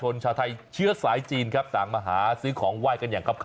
ไม่อยากกรงอำมาตย์บอกว่าไม่อยาก